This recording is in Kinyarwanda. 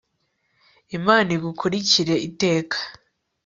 imana igukurikire iteka